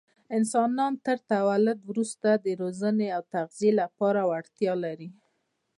انسانان تر تولد وروسته د روزنې او تغذیې لپاره وړتیا لري.